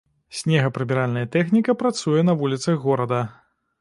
Снегапрыбіральная тэхніка працуе на вуліцах горада.